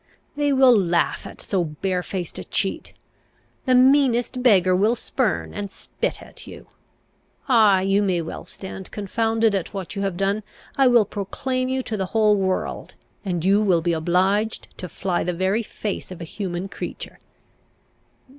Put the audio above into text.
They will laugh at so barefaced a cheat. The meanest beggar will spurn and spit at you. Ay, you may well stand confounded at what you have done. I will proclaim you to the whole world, and you will be obliged to fly the very face of a human creature!"